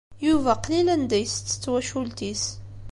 Yuba qlil anda i isett d twacult-is.